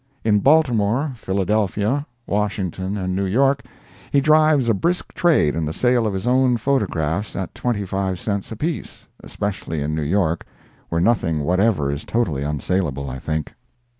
In Baltimore, Philadelphia, Washington and New York, he drives a brisk trade in the sale of his own photographs at 25 cents apiece—especially in New York, where nothing whatever is totally unsalable, I think.